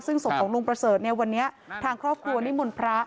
ซึ่งศพของลุงประเสริฐเนี่ยวันนี้ทางครอบครัวนิมนต์พระ